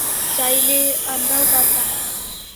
চাইলে আমরাও পারতাম।